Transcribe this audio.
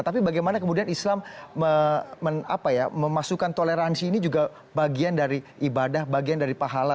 tapi bagaimana kemudian islam memasukkan toleransi ini juga bagian dari ibadah bagian dari pahala